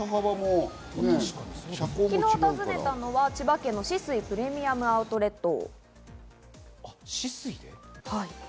昨日訪ねたのは千葉県の酒々井プレミアムアウトレット。